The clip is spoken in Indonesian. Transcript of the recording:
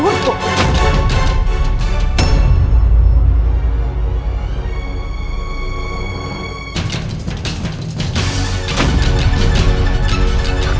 aku ingin menikah